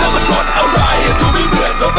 ครับ